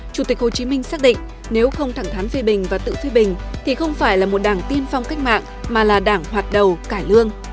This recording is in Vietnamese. chủ tịch hồ chí minh xác định nếu không thẳng thắn phê bình và tự phê bình thì không phải là một đảng tiên phong cách mạng mà là đảng hoạt đầu cải lương